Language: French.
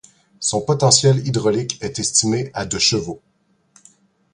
Son potentiel hydraulique est estimé à de chevaux.